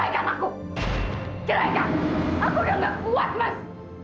aku yang gak puas mas